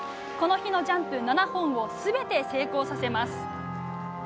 この日のジャンプ７本を全て成功させます。